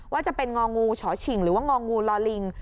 ว่าจะเป็นงองูฉอฉิงหรือว่างองูลอลิง